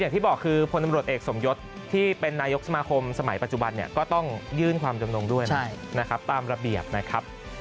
อย่างที่บอกคือพลตำรวจเอกสมยศที่เป็นนายกสมาคมสมัยปัจจุบันเนี่ยก็ต้องยื่นความจำนงด้วยนะครับตามระเบียบนะครับ